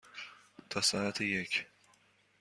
تا ساعت یک.